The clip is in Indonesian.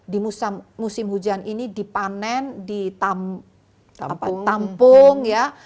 di musim hujan ini dipanen di tampung